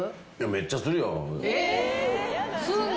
めっちゃするよ。すんの？